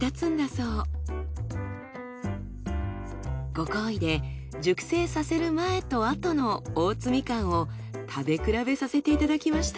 ご厚意で熟成させる前と後の大津みかんを食べ比べさせていただきました。